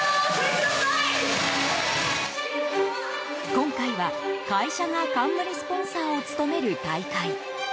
今回は、会社が冠スポンサーを務める大会。